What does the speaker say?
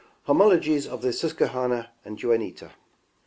Homologies of the Susquehanna and Juniata.